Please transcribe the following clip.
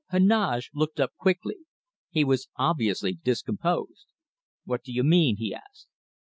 Heneage looked up quickly. He was obviously discomposed. "What do you mean?" he asked.